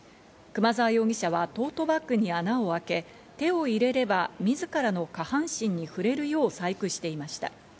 熊沢容疑者はトートバッグに穴を開け、手を入れれば自らの下半身に触れるよう細工していました。